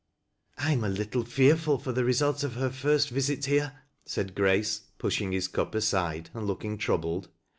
" I am a little fearful for the result of her first visit here," said Grace, pushing his cup aside and looking troubled.